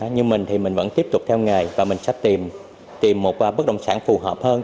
như mình thì mình vẫn tiếp tục theo nghề và mình sẽ tìm tìm một bất đồng sản phù hợp hơn